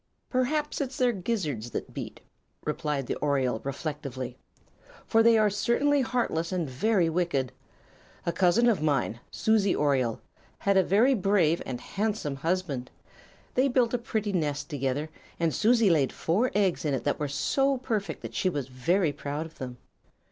"Perhaps it's their gizzards that beat," replied the oriole, reflectively, "for they are certainly heartless and very wicked. A cousin of mine, Susie Oriole, had a very brave and handsome husband. They built a pretty nest together and Susie laid four eggs in it that were so perfect that she was very proud of them.